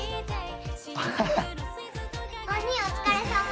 お兄お疲れさま。